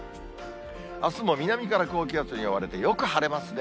あすも南から高気圧に覆われて、よく晴れますね。